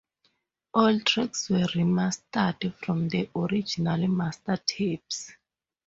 All tracks were remastered from the original master tapes.